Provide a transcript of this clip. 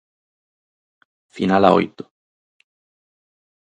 Final a oito.